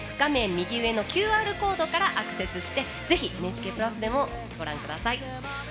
右上のＱＲコードからアクセスしてぜひ、ＮＨＫプラスでもご覧ください。